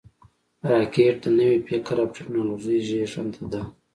راکټ د نوي فکر او ټېکنالوژۍ زیږنده ده